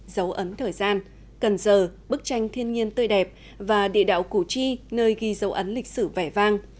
dấu ấn thời gian cần giờ bức tranh thiên nhiên tươi đẹp và địa đạo củ chi nơi ghi dấu ấn lịch sử vẻ vang